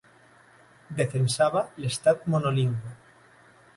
Defensava l'estat monolingüe.